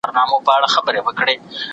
د ژوند سطحه په ځینو هیوادونو کي بهتریږي.